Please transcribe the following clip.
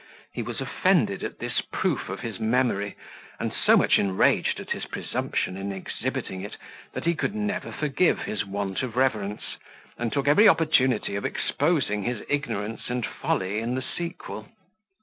He was offended at this proof of his memory, and so much enraged at his presumption in exhibiting it, that he could never forgive his want of reverence, and took every opportunity of exposing his ignorance and folly in the sequel.